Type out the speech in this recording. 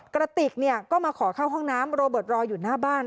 กระติกก็มาขอเข้าห้องน้ำโรเบิร์ตรออยู่หน้าบ้าน